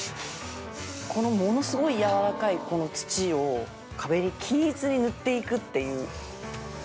このものすごい軟らかい土を壁に均一に塗っていくっていう。